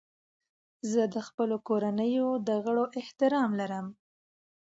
زه د خپلو کورنیو د غړو احترام لرم.